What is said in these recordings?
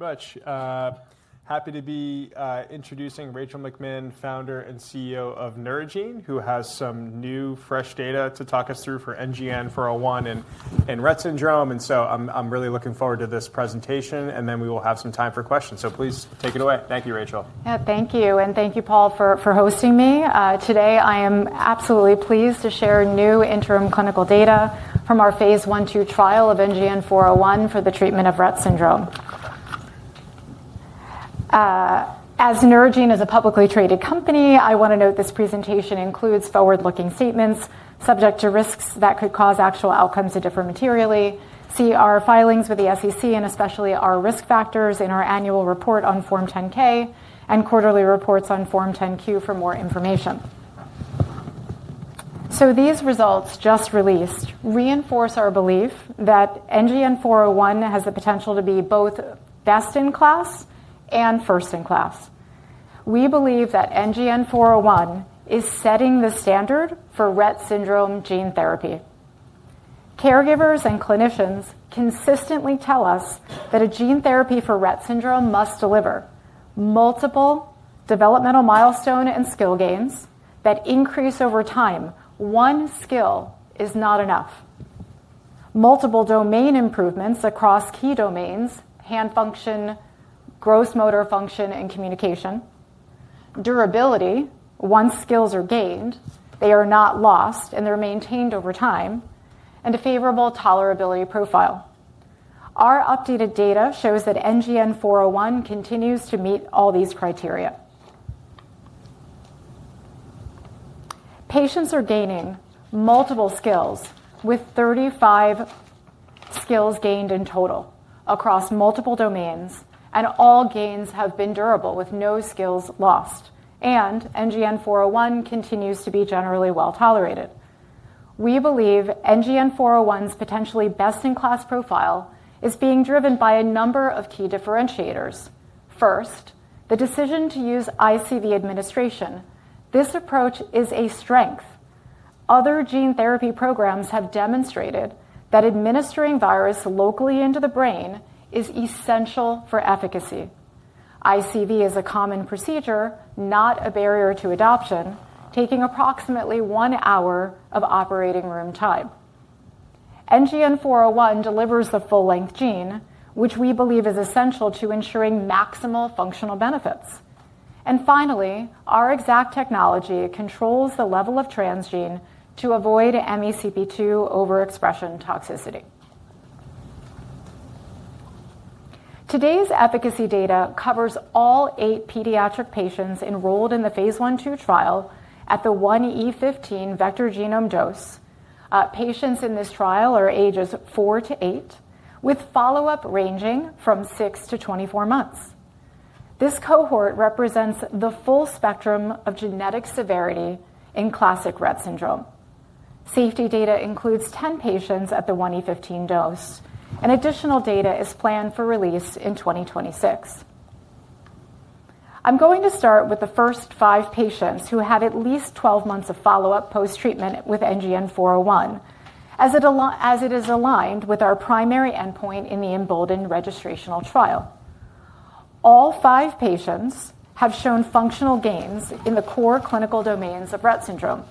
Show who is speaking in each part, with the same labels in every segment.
Speaker 1: Very much. Happy to be introducing Rachel McMinn, founder and CEO of Neurogene, who has some new, fresh data to talk us through for NGN-401 and Rett syndrome. I am really looking forward to this presentation, and then we will have some time for questions. Please take it away. Thank you, Rachel.
Speaker 2: Yeah, thank you. Thank you, Paul, for hosting me. Today, I am absolutely pleased to share new interim clinical data from our phase I/II trial of NGN-401 for the treatment of Rett syndrome. As Neurogene is a publicly traded company, I want to note this presentation includes forward-looking statements subject to risks that could cause actual outcomes to differ materially. See our filings with the SEC, and especially our risk factors in our annual report on Form 10-K and quarterly reports on Form 10-Q for more information. These results just released reinforce our belief that NGN-401 has the potential to be both best in class and first in class. We believe that NGN-401 is setting the standard for Rett syndrome gene therapy. Caregivers and clinicians consistently tell us that a gene therapy for Rett syndrome must deliver multiple developmental milestones and skill gains that increase over time. One skill is not enough. Multiple domain improvements across key domains: hand function, gross motor function, and communication. Durability: once skills are gained, they are not lost, and they're maintained over time, and a favorable tolerability profile. Our updated data shows that NGN-401 continues to meet all these criteria. Patients are gaining multiple skills, with 35 skills gained in total across multiple domains, and all gains have been durable with no skills lost. NGN-401 continues to be generally well tolerated. We believe NGN-401's potentially best-in-class profile is being driven by a number of key differentiators. First, the decision to use ICV administration. This approach is a strength. Other gene therapy programs have demonstrated that administering virus locally into the brain is essential for efficacy. ICV is a common procedure, not a barrier to adoption, taking approximately one hour of operating room time. NGN-401 delivers the full-length gene, which we believe is essential to ensuring maximal functional benefits. Finally, our EXACT technology controls the level of transgene to avoid MeCP2 overexpression toxicity. Today's efficacy data covers all eight pediatric patients enrolled in the phase I/II trial at the 1E15 vector genome dose. Patients in this trial are ages four to eight, with follow-up ranging from six to 24 months. This cohort represents the full spectrum of genetic severity in classic Rett syndrome. Safety data includes 10 patients at the 1E15 dose. Additional data is planned for release in 2026. I'm going to start with the first five patients who had at least 12 months of follow-up post-treatment with NGN-401, as it is aligned with our primary endpoint in the Embolden registrational trial. All five patients have shown functional gains in the core clinical domains of Rett syndrome.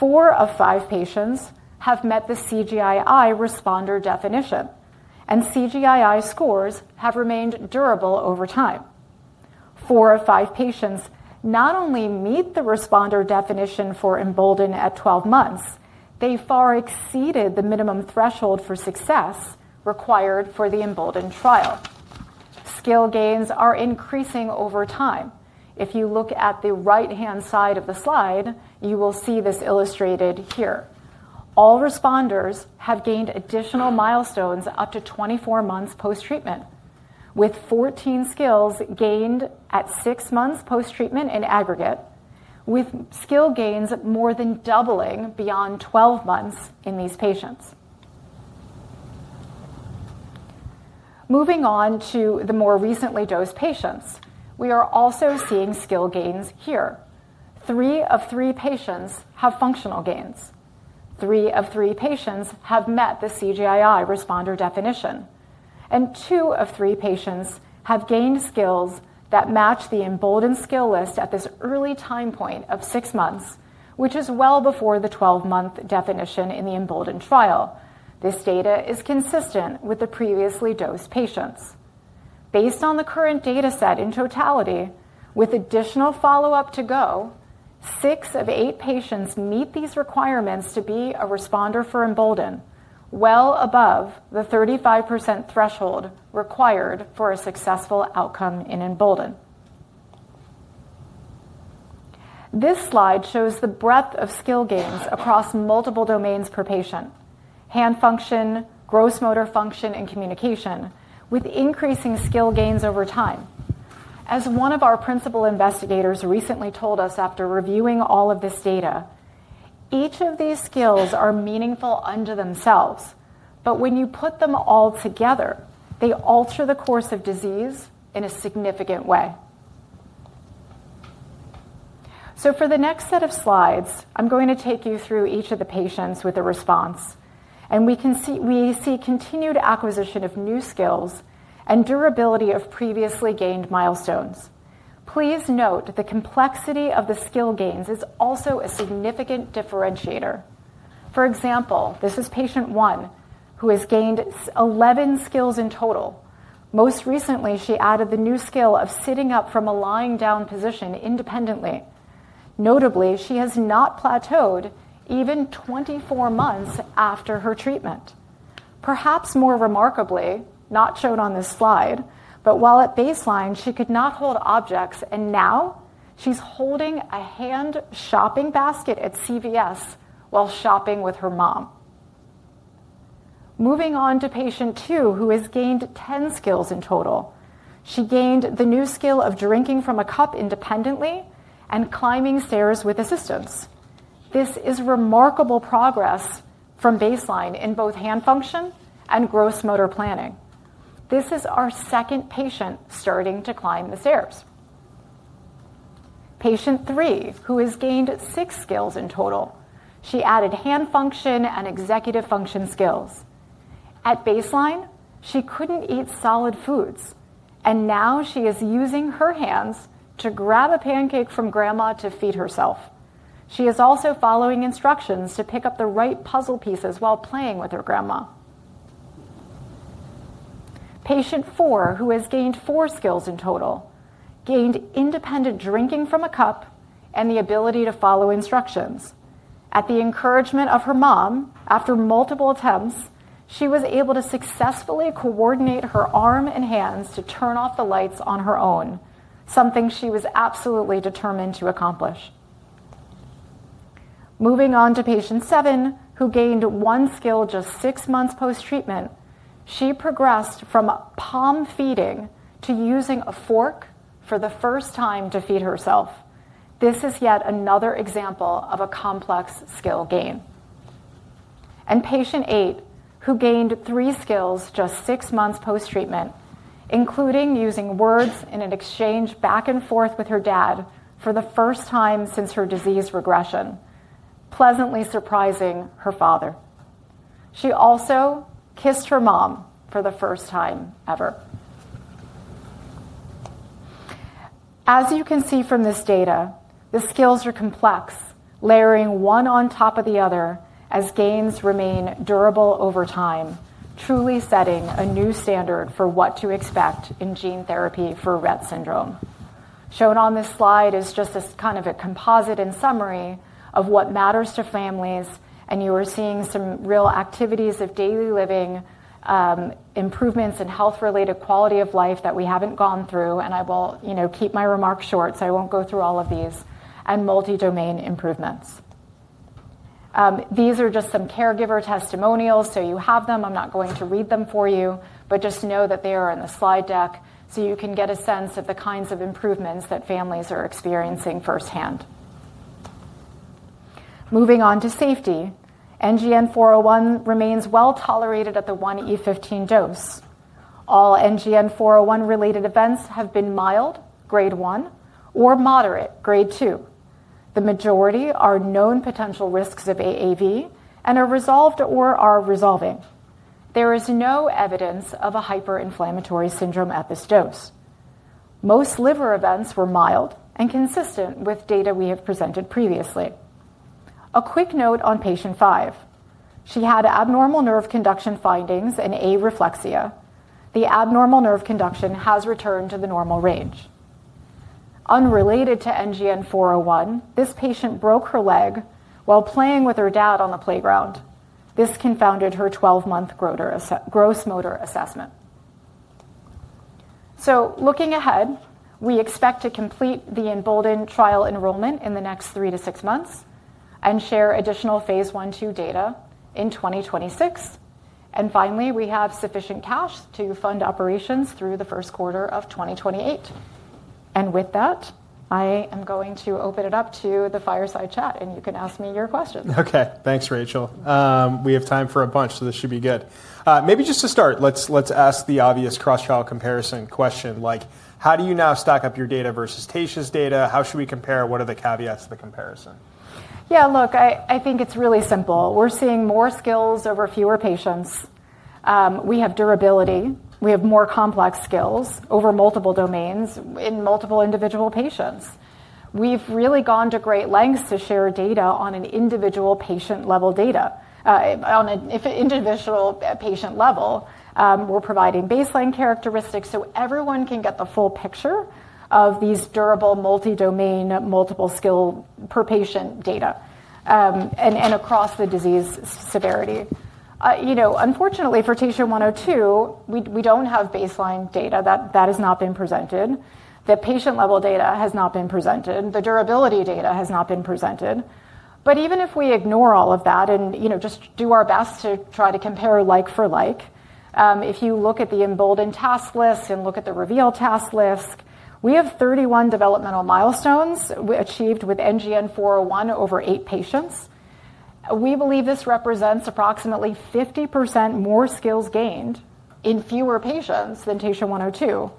Speaker 2: Four of five patients have met the CGI-I responder definition, and CGI-I scores have remained durable over time. Four of five patients not only meet the responder definition for Embolden at 12 months, they far exceeded the minimum threshold for success required for the Embolden trial. Skill gains are increasing over time. If you look at the right-hand side of the slide, you will see this illustrated here. All responders have gained additional milestones up to 24 months post-treatment, with 14 skills gained at 6 months post-treatment in aggregate, with skill gains more than doubling beyond 12 months in these patients. Moving on to the more recently dosed patients, we are also seeing skill gains here. Three of three patients have functional gains. Three of three patients have met the CGI-I responder definition. Two of three patients have gained skills that match the Embolden skill list at this early time point of 6 months, which is well before the 12-month definition in the Embolden trial. This data is consistent with the previously dosed patients. Based on the current data set in totality, with additional follow-up to go, six of eight patients meet these requirements to be a responder for Embolden, well above the 35% threshold required for a successful outcome in Embolden. This slide shows the breadth of skill gains across multiple domains per patient: hand function, gross motor function, and communication, with increasing skill gains over time. As one of our principal investigators recently told us after reviewing all of this data, each of these skills are meaningful unto themselves, but when you put them all together, they alter the course of disease in a significant way. For the next set of slides, I'm going to take you through each of the patients with a response. We see continued acquisition of new skills and durability of previously gained milestones. Please note the complexity of the skill gains is also a significant differentiator. For example, this is patient 1, who has gained 11 skills in total. Most recently, she added the new skill of sitting up from a lying-down position independently. Notably, she has not plateaued even 24 months after her treatment. Perhaps more remarkably, not shown on this slide, but while at baseline, she could not hold objects, and now she's holding a hand shopping basket at CVS while shopping with her mom. Moving on to patient 2, who has gained 10 skills in total. She gained the new skill of drinking from a cup independently and climbing stairs with assistance. This is remarkable progress from baseline in both hand function and gross motor planning. This is our second patient starting to climb the stairs. Patient 3, who has gained six skills in total. She added hand function and executive function skills. At baseline, she could not eat solid foods, and now she is using her hands to grab a pancake from grandma to feed herself. She is also following instructions to pick up the right puzzle pieces while playing with her grandma. Patient 4, who has gained four skills in total, gained independent drinking from a cup and the ability to follow instructions. At the encouragement of her mom, after multiple attempts, she was able to successfully coordinate her arm and hands to turn off the lights on her own, something she was absolutely determined to accomplish. Moving on to patient 7, who gained one skill just 6 months post-treatment, she progressed from palm feeding to using a fork for the first time to feed herself. This is yet another example of a complex skill gain. Patient 8, who gained 3 skills just 6 months post-treatment, including using words in an exchange back and forth with her dad for the first time since her disease regression, pleasantly surprising her father. She also kissed her mom for the first time ever. As you can see from this data, the skills are complex, layering one on top of the other as gains remain durable over time, truly setting a new standard for what to expect in gene therapy for Rett syndrome. Shown on this slide is just a kind of a composite and summary of what matters to families, and you are seeing some real activities of daily living, improvements in health-related quality of life that we haven't gone through. I will keep my remarks short, so I won't go through all of these, and multi-domain improvements. These are just some caregiver testimonials, so you have them. I'm not going to read them for you, but just know that they are in the slide deck so you can get a sense of the kinds of improvements that families are experiencing firsthand. Moving on to safety, NGN-401 remains well tolerated at the 1E15 dose. All NGN-401-related events have been mild, grade 1, or moderate, grade 2. The majority are known potential risks of AAV and are resolved or are resolving. There is no evidence of a hyperinflammatory syndrome at this dose. Most liver events were mild and consistent with data we have presented previously. A quick note on patient 5. She had abnormal nerve conduction findings and areflexia. The abnormal nerve conduction has returned to the normal range. Unrelated to NGN-401, this patient broke her leg while playing with her dad on the playground. This confounded her 12-month gross motor assessment. Looking ahead, we expect to complete the Embolden trial enrollment in the next three to six months and share additional phase I/II data in 2026. Finally, we have sufficient cash to fund operations through the first quarter of 2028. With that, I am going to open it up to the fireside chat, and you can ask me your questions.
Speaker 1: OK, thanks, Rachel. We have time for a bunch, so this should be good. Maybe just to start, let's ask the obvious cross-trial comparison question, like, how do you now stack up your data versus Taysha's data? How should we compare? What are the caveats to the comparison?
Speaker 2: Yeah, look, I think it's really simple. We're seeing more skills over fewer patients. We have durability. We have more complex skills over multiple domains in multiple individual patients. We've really gone to great lengths to share data on an individual patient-level data. On an individual patient level, we're providing baseline characteristics so everyone can get the full picture of these durable multi-domain, multiple skill per patient data and across the disease severity. Unfortunately, for TSHA-102, we don't have baseline data. That has not been presented. The patient-level data has not been presented. The durability data has not been presented. Even if we ignore all of that and just do our best to try to compare like for like, if you look at the Embolden task list and look at the Revealed task list, we have 31 developmental milestones achieved with NGN-401 over eight patients. We believe this represents approximately 50% more skills gained in fewer patients than TSHA-102.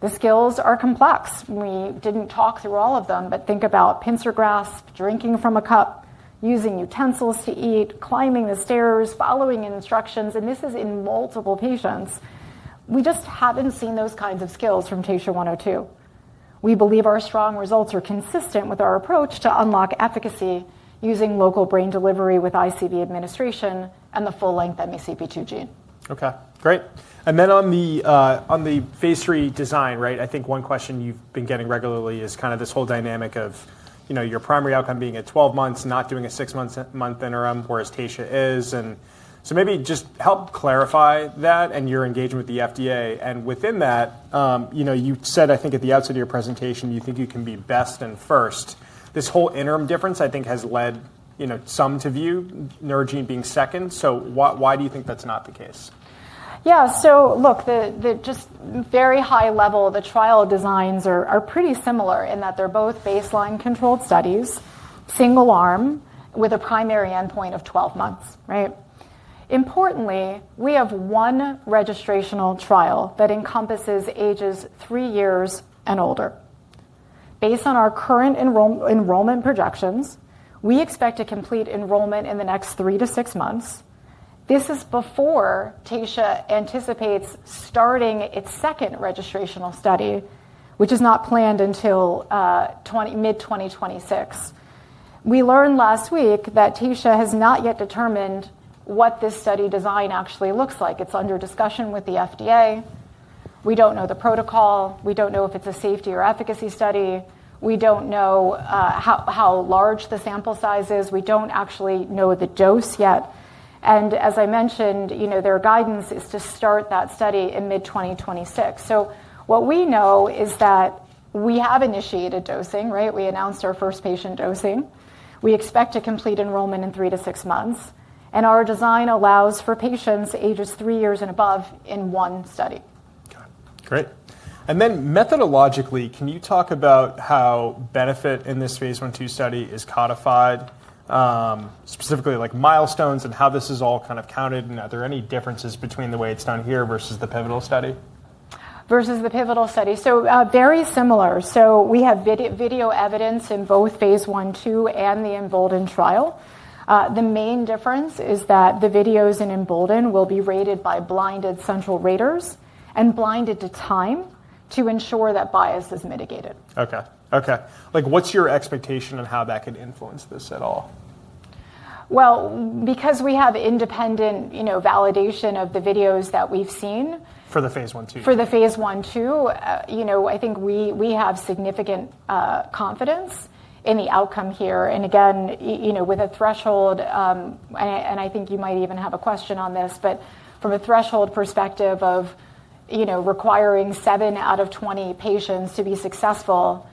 Speaker 2: The skills are complex. We did not talk through all of them, but think about pincer grasp, drinking from a cup, using utensils to eat, climbing the stairs, following instructions. This is in multiple patients. We just have not seen those kinds of skills from TSHA-102. We believe our strong results are consistent with our approach to unlock efficacy using local brain delivery with ICV administration and the full-length MECP2 gene.
Speaker 1: OK, great. On the phase III design, right, I think one question you've been getting regularly is kind of this whole dynamic of your primary outcome being at 12 months, not doing a six-month interim, whereas Taysha is. Maybe just help clarify that and your engagement with the FDA. Within that, you said, I think, at the outset of your presentation, you think you can be best and first. This whole interim difference, I think, has led some to view Neurogene being second. Why do you think that's not the case?
Speaker 2: Yeah, so look, just very high level, the trial designs are pretty similar in that they're both baseline controlled studies, single arm, with a primary endpoint of 12 months, right? Importantly, we have one registrational trial that encompasses ages three years and older. Based on our current enrollment projections, we expect to complete enrollment in the next three to six months. This is before Taysha anticipates starting its second registrational study, which is not planned until mid-2026. We learned last week that Taysha has not yet determined what this study design actually looks like. It's under discussion with the FDA. We don't know the protocol. We don't know if it's a safety or efficacy study. We don't know how large the sample size is. We don't actually know the dose yet. As I mentioned, their guidance is to start that study in mid-2026. What we know is that we have initiated dosing, right? We announced our first patient dosing. We expect to complete enrollment in three to six months. Our design allows for patients ages three years and above in one study.
Speaker 1: OK, great. Methodologically, can you talk about how benefit in this phase I/II study is codified, specifically like milestones and how this is all kind of counted? Are there any differences between the way it's done here versus the pivotal study?
Speaker 2: Versus the pivotal study? Very similar. We have video evidence in both phase I/II and the Embolden trial. The main difference is that the videos in Embolden will be rated by blinded central raters and blinded to time to ensure that bias is mitigated.
Speaker 1: OK, OK. Like, what's your expectation on how that can influence this at all?
Speaker 2: Because we have independent validation of the videos that we've seen.
Speaker 1: For the phase I/II?
Speaker 2: For the phase I/II, I think we have significant confidence in the outcome here. Again, with a threshold, and I think you might even have a question on this, but from a threshold perspective of requiring 7 out of 20 patients to be successful,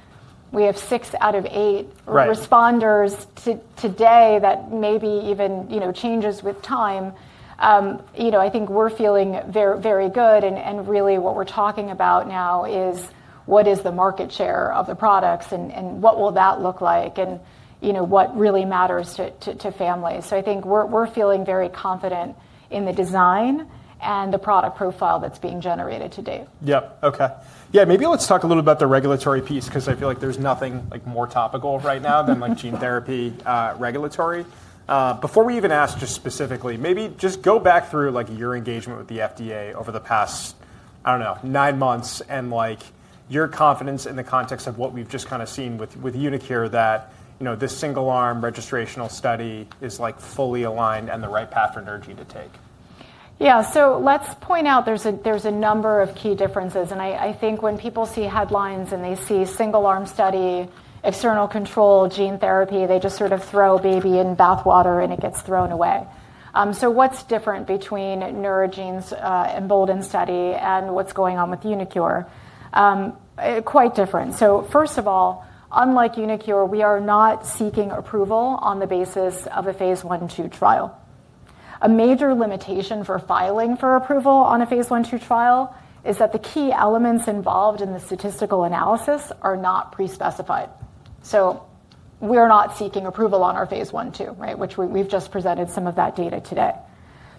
Speaker 2: we have 6 out of 8 responders today that maybe even changes with time. I think we're feeling very good. Really, what we're talking about now is what is the market share of the products and what will that look like and what really matters to families. I think we're feeling very confident in the design and the product profile that's being generated today.
Speaker 1: Yep, OK. Yeah, maybe let's talk a little about the regulatory piece, because I feel like there's nothing more topical right now than gene therapy regulatory. Before we even ask just specifically, maybe just go back through your engagement with the FDA over the past, I don't know, nine months and your confidence in the context of what we've just kind of seen with uniQure, that this single-arm registrational study is fully aligned and the right path for Neurogene to take.
Speaker 2: Yeah, so let's point out there's a number of key differences. I think when people see headlines and they see single-arm study, external control, gene therapy, they just sort of throw baby in bathwater and it gets thrown away. What's different between Neurogene's Embolden study and what's going on with uniQure? Quite different. First of all, unlike uniQure, we are not seeking approval on the basis of a phase I/II trial. A major limitation for filing for approval on a phase I/II trial is that the key elements involved in the statistical analysis are not pre-specified. We are not seeking approval on our phase I/II right, which we've just presented some of that data today.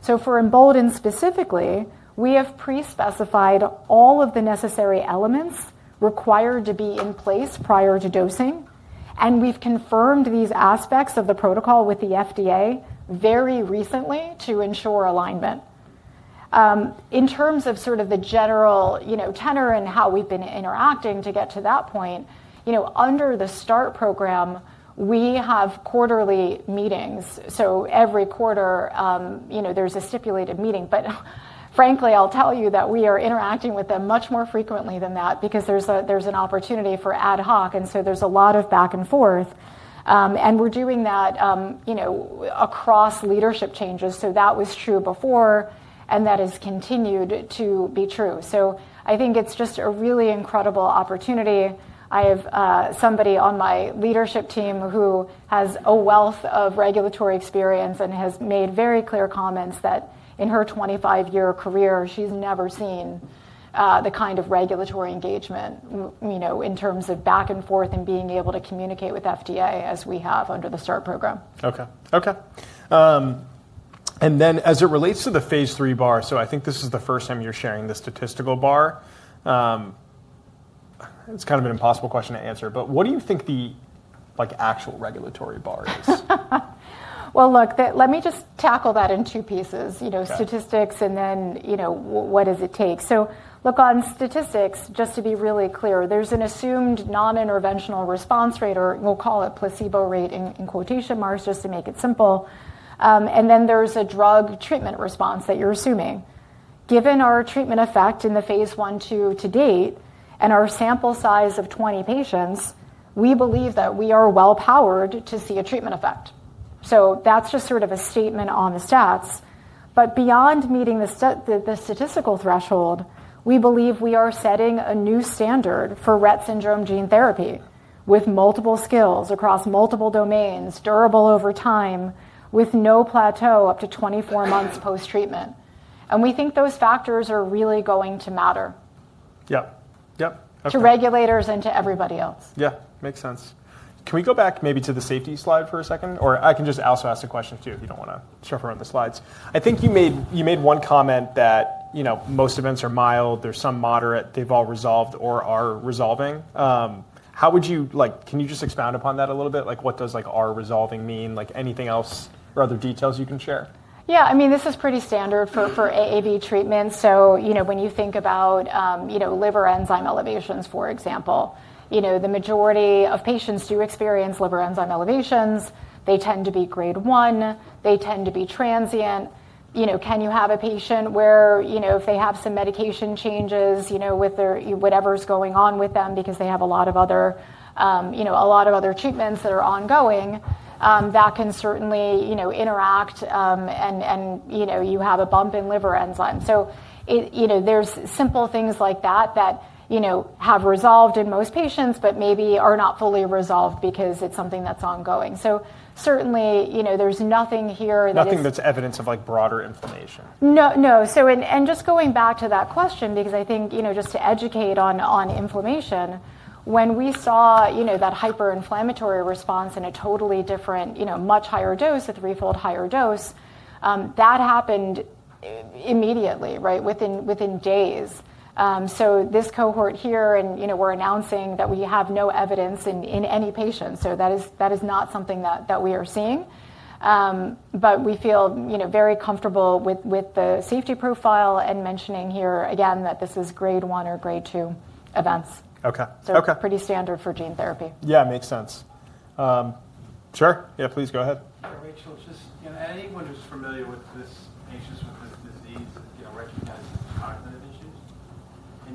Speaker 2: For Embolden specifically, we have pre-specified all of the necessary elements required to be in place prior to dosing. We have confirmed these aspects of the protocol with the FDA very recently to ensure alignment. In terms of sort of the general tenor and how we have been interacting to get to that point, under the START program, we have quarterly meetings. Every quarter, there is a stipulated meeting. Frankly, I will tell you that we are interacting with them much more frequently than that because there is an opportunity for ad hoc. There is a lot of back and forth. We are doing that across leadership changes. That was true before, and that has continued to be true. I think it is just a really incredible opportunity. I have somebody on my leadership team who has a wealth of regulatory experience and has made very clear comments that in her 25-year career, she's never seen the kind of regulatory engagement in terms of back and forth and being able to communicate with FDA as we have under the START program.
Speaker 1: OK, OK. And then as it relates to the phase III bar, I think this is the first time you're sharing the statistical bar. It's kind of an impossible question to answer. But what do you think the actual regulatory bar is?
Speaker 2: Let me just tackle that in two pieces, statistics and then what does it take. On statistics, just to be really clear, there's an assumed non-interventional response rate, or we'll call it placebo rate in quotation marks just to make it simple. Then there's a drug treatment response that you're assuming. Given our treatment effect in the phase I/II to date and our sample size of 20 patients, we believe that we are well powered to see a treatment effect. That's just sort of a statement on the stats. Beyond meeting the statistical threshold, we believe we are setting a new standard for Rett syndrome gene therapy with multiple skills across multiple domains, durable over time, with no plateau up to 24 months post-treatment. We think those factors are really going to matter.
Speaker 1: Yep, yep.
Speaker 2: To regulators and to everybody else.
Speaker 1: Yeah, makes sense. Can we go back maybe to the safety slide for a second? Or I can just also ask the question too if you do not want to jump around the slides. I think you made one comment that most events are mild, there is some moderate, they have all resolved or are resolving. How would you, like, can you just expound upon that a little bit? Like, what does are resolving mean? Like, anything else or other details you can share?
Speaker 2: Yeah, I mean, this is pretty standard for AAV treatment. When you think about liver enzyme elevations, for example, the majority of patients do experience liver enzyme elevations. They tend to be Grade 1. They tend to be transient. Can you have a patient where if they have some medication changes with whatever's going on with them because they have a lot of other treatments that are ongoing, that can certainly interact and you have a bump in liver enzymes? There are simple things like that that have resolved in most patients but maybe are not fully resolved because it's something that's ongoing. Certainly, there's nothing here.
Speaker 1: Nothing that's evidence of broader inflammation.
Speaker 2: No, no. And just going back to that question, because I think just to educate on inflammation, when we saw that hyperinflammatory response in a totally different, much higher dose, a threefold higher dose, that happened immediately, right, within days. So this cohort here, and we're announcing that we have no evidence in any patients. So that is not something that we are seeing. But we feel very comfortable with the safety profile and mentioning here, again, that this is Grade 1 or Grade 2 events. So pretty standard for gene therapy.
Speaker 1: Yeah, makes sense. Sure, yeah, please go ahead. Rachel, just anyone who's familiar with this patient with this disease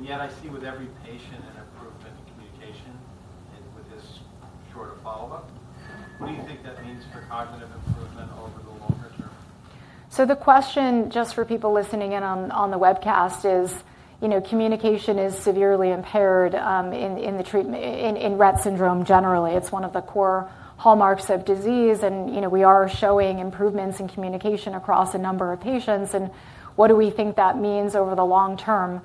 Speaker 1: recognizes cognitive issues. Yet I see with every patient an improvement in communication with this shorter follow-up. What do you think that means for cognitive improvement over the longer term?
Speaker 2: The question just for people listening in on the webcast is communication is severely impaired in Rett syndrome generally. It's one of the core hallmarks of disease. We are showing improvements in communication across a number of patients. What do we think that means over the long term?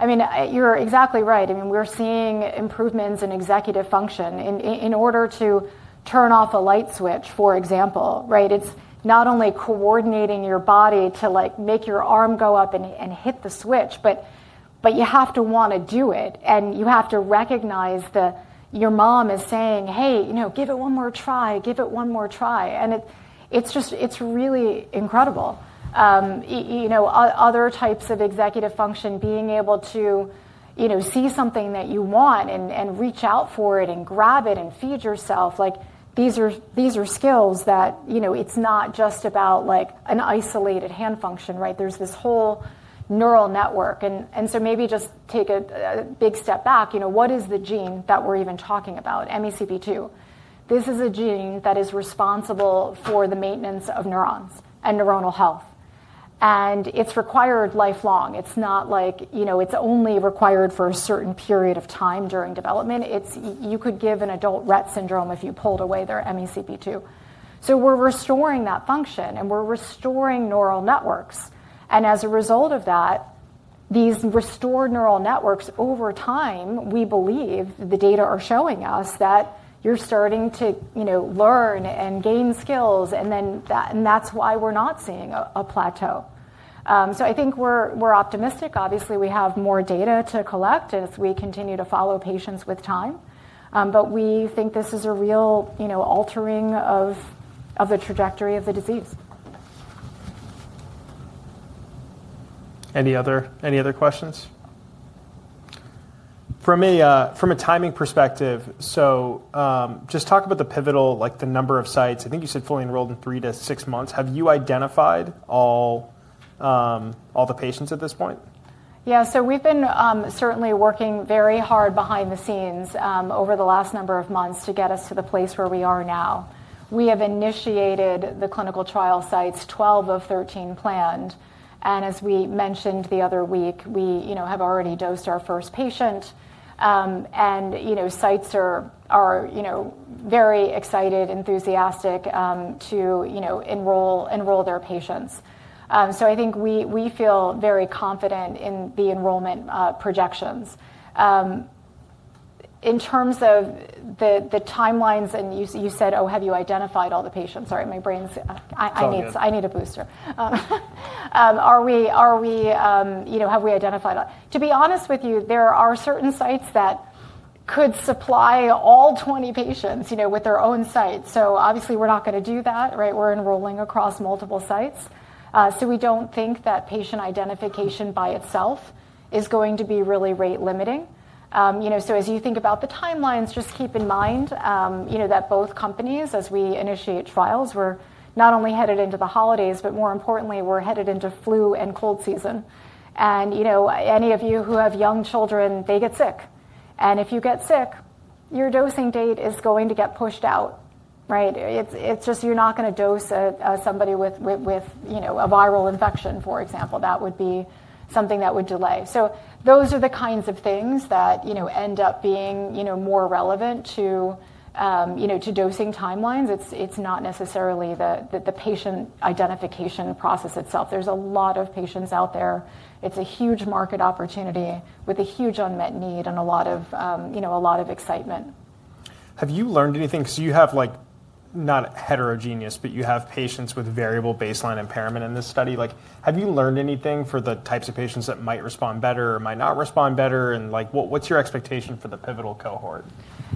Speaker 2: I mean, you're exactly right. We're seeing improvements in executive function. In order to turn off a light switch, for example, right, it's not only coordinating your body to make your arm go up and hit the switch, but you have to want to do it. You have to recognize that your mom is saying, hey, give it one more try, give it one more try. It's just really incredible. Other types of executive function, being able to see something that you want and reach out for it and grab it and feed yourself, these are skills that it's not just about an isolated hand function, right? There's this whole neural network. Maybe just take a big step back. What is the gene that we're even talking about, MECP2? This is a gene that is responsible for the maintenance of neurons and neuronal health. It's required lifelong. It's not like it's only required for a certain period of time during development. You could give an adult Rett syndrome if you pulled away their MECP2. We're restoring that function, and we're restoring neural networks. As a result of that, these restored neural networks over time, we believe the data are showing us that you're starting to learn and gain skills. That is why we're not seeing a plateau. I think we're optimistic. Obviously, we have more data to collect as we continue to follow patients with time. We think this is a real altering of the trajectory of the disease.
Speaker 1: Any other questions? From a timing perspective, just talk about the pivotal, like the number of sites. I think you said fully enrolled in three to six months. Have you identified all the patients at this point?
Speaker 2: Yeah, so we've been certainly working very hard behind the scenes over the last number of months to get us to the place where we are now. We have initiated the clinical trial sites, 12 of 13 planned. As we mentioned the other week, we have already dosed our first patient. Sites are very excited, enthusiastic to enroll their patients. I think we feel very confident in the enrollment projections. In terms of the timelines, and you said, oh, have you identified all the patients? Sorry, my brain's, I need a booster. Are we, have we identified? To be honest with you, there are certain sites that could supply all 20 patients with their own sites. Obviously, we're not going to do that, right? We're enrolling across multiple sites. We don't think that patient identification by itself is going to be really rate limiting. As you think about the timelines, just keep in mind that both companies, as we initiate trials, we're not only headed into the holidays, but more importantly, we're headed into flu and cold season. Any of you who have young children, they get sick. If you get sick, your dosing date is going to get pushed out, right? You're not going to dose somebody with a viral infection, for example. That would be something that would delay. Those are the kinds of things that end up being more relevant to dosing timelines. It's not necessarily the patient identification process itself. There's a lot of patients out there. It's a huge market opportunity with a huge unmet need and a lot of excitement.
Speaker 1: Have you learned anything? You have not heterogeneous, but you have patients with variable baseline impairment in this study. Have you learned anything for the types of patients that might respond better or might not respond better? What's your expectation for the pivotal cohort?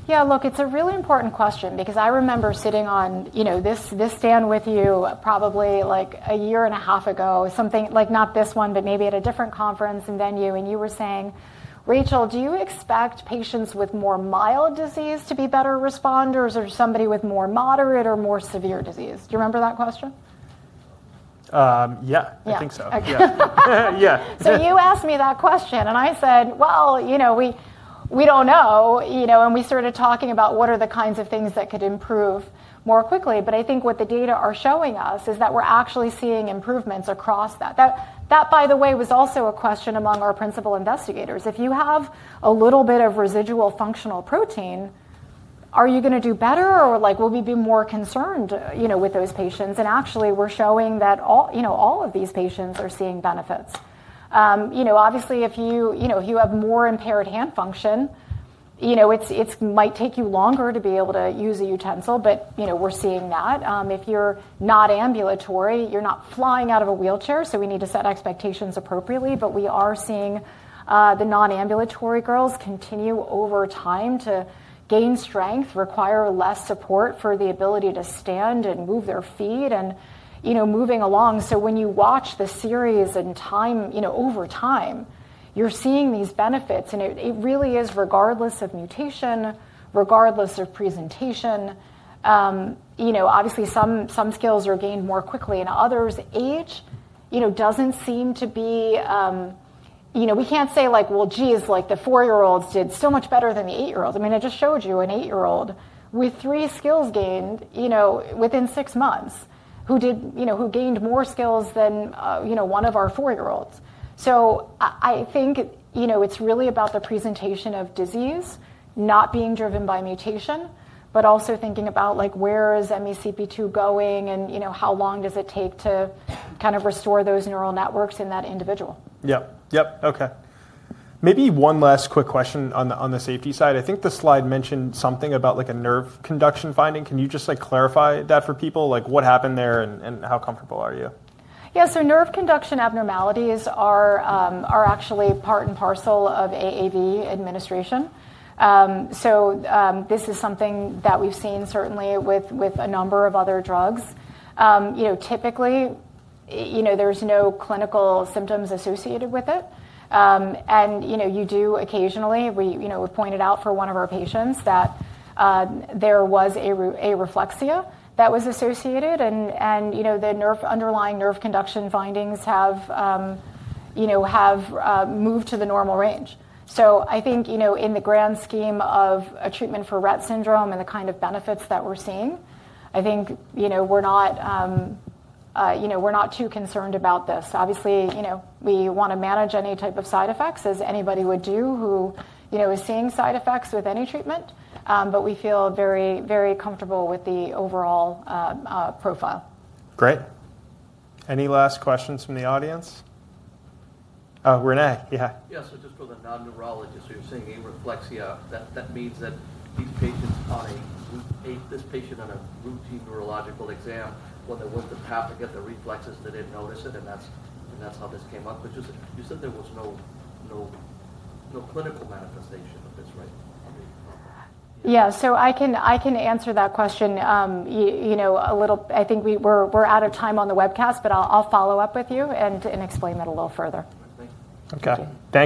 Speaker 2: Yeah, look, it's a really important question because I remember sitting on this stand with you probably like a year and a half ago, something like not this one, but maybe at a different conference and venue. You were saying, Rachel, do you expect patients with more mild disease to be better responders or somebody with more moderate or more severe disease? Do you remember that question?
Speaker 1: Yeah, I think so.
Speaker 2: Yeah, yeah. You asked me that question. I said, well, we do not know. We started talking about what are the kinds of things that could improve more quickly. I think what the data are showing us is that we are actually seeing improvements across that. That, by the way, was also a question among our principal investigators. If you have a little bit of residual functional protein, are you going to do better? Or will we be more concerned with those patients? Actually, we are showing that all of these patients are seeing benefits. Obviously, if you have more impaired hand function, it might take you longer to be able to use a utensil. We are seeing that. If you are not ambulatory, you are not flying out of a wheelchair. We need to set expectations appropriately. We are seeing the non-ambulatory girls continue over time to gain strength, require less support for the ability to stand and move their feet and moving along. When you watch the series and time over time, you're seeing these benefits. It really is regardless of mutation, regardless of presentation. Obviously, some skills are gained more quickly and others, age doesn't seem to be—we can't say like, well, geez, like the four-year-olds did so much better than the eight-year-olds. I mean, I just showed you an eight-year-old with three skills gained within six months who gained more skills than one of our four-year-olds. I think it's really about the presentation of disease not being driven by mutation, but also thinking about where is MECP2 going and how long does it take to kind of restore those neural networks in that individual.
Speaker 1: Yep, yep, OK. Maybe one last quick question on the safety side. I think the slide mentioned something about a nerve conduction finding. Can you just clarify that for people? Like, what happened there and how comfortable are you?
Speaker 2: Yeah, so nerve conduction abnormalities are actually part and parcel of AAV administration. This is something that we've seen certainly with a number of other drugs. Typically, there's no clinical symptoms associated with it. You do occasionally, we pointed out for one of our patients that there was areflexia that was associated. The underlying nerve conduction findings have moved to the normal range. I think in the grand scheme of a treatment for Rett syndrome and the kind of benefits that we're seeing, I think we're not too concerned about this. Obviously, we want to manage any type of side effects as anybody would do who is seeing side effects with any treatment. We feel very, very comfortable with the overall profile.
Speaker 1: Great. Any last questions from the audience? Renee, yeah. Yeah, so just for the non-neurologists, we were saying areflexia, that means that these patients, this patient on a routine neurological exam, when there was the patellar tendon, the reflexes, they didn't notice it. That's how this came up. You said there was no clinical manifestation of this, right?
Speaker 2: Yeah, so I can answer that question a little. I think we're out of time on the webcast, but I'll follow up with you and explain that a little further.
Speaker 1: OK. Thank you.